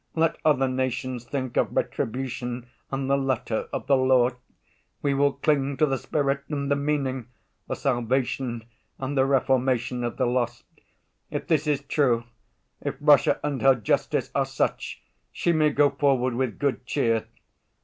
Let other nations think of retribution and the letter of the law, we will cling to the spirit and the meaning—the salvation and the reformation of the lost. If this is true, if Russia and her justice are such, she may go forward with good cheer!